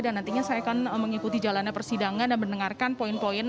nantinya saya akan mengikuti jalannya persidangan dan mendengarkan poin poin